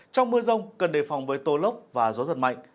trong mưa rông cần đề phòng với tô lốc và gió giật mạnh